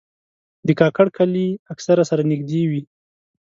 د کاکړ کلي اکثره سره نږدې وي.